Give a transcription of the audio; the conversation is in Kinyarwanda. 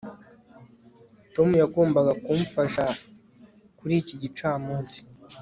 tom yagombaga kumfasha kuri iki gicamunsi